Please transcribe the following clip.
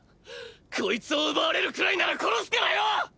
こいつを奪われるくらいなら殺すからよ！！